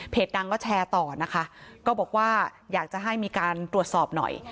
ดังก็แชร์ต่อนะคะก็บอกว่าอยากจะให้มีการตรวจสอบหน่อย